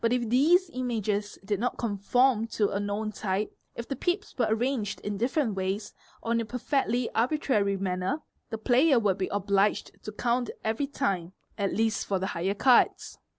If these images did not conform to a known type, if the pips were arranged in different ways or in a perfectly arbitrary manner, the player would be obliged to count " every time, at least for the high cards.